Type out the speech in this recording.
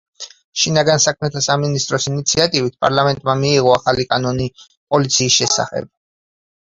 შინაგან საქმეთა სამინისტროს ინიციატივით, პარლამენტმა მიიღო ახალი კანონი პოლიციის შესახებ.